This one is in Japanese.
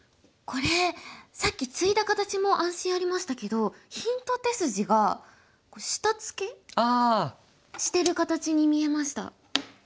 これさっきツイだ形も安心ありましたけどヒント手筋が下ツケしてる形に見えました。